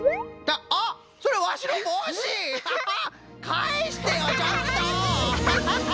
かえしてよちょっと！